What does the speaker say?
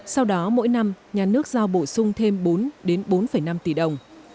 sau đó mỗi năm nhà nước giao bổ sung thêm bốn bốn năm tỷ đồng